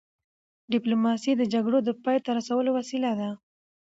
ډيپلوماسي د جګړو د پای ته رسولو وسیله ده.